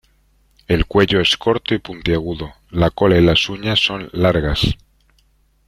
El cuello es corto y puntiagudo; la cola y las uñas son largas.